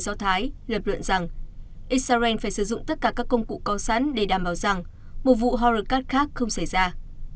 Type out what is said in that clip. do thái lập luận rằng israel phải sử dụng tất cả các công cụ có sẵn để đảm bảo rằng một vụ horekat khác không xảy ra